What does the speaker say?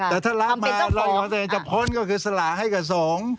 แต่ถ้ารับมารอยของตัวเองจะพ้นก็คือสละให้กับสงฆ์